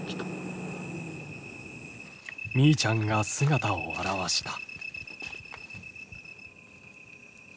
ミイちゃんが姿を現した。